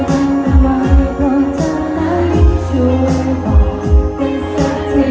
แค่คนรู้จักหรือคนรู้ใจ